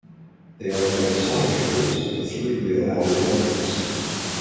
They are the isometry groups of the three real Albert algebras.